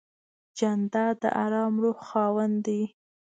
جانداد د آرام روح خاوند دی.